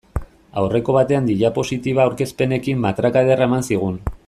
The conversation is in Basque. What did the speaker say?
Aurreko batean diapositiba aurkezpenekin matraka ederra eman zigun.